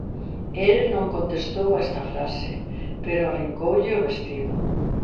El non contestou a esta frase pero arrincoulle o vestido.